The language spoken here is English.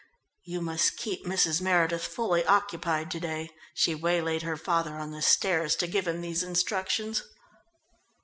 "You must keep Mrs. Meredith fully occupied to day." She waylaid her father on the stairs to give him these instructions.